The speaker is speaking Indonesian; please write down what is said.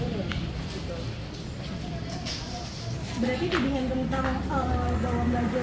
berarti di bingung tentang bawang bajo membuat video itu settingan hanya untuk viral gitu mencari video